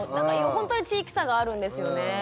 ほんとに地域差があるんですよね。